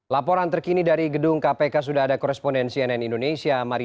laporan terkini dari gedung kpk sudah ada koresponden cnn indonesia maria